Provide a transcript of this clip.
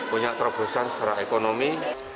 punya kekerasan secara ekonomi